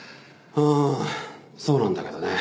うんそうなんだけどね。